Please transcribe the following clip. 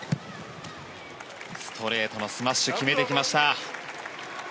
ストレートのスマッシュ決めてきました。